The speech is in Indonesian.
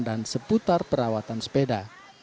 dan seputar perawatan sepeda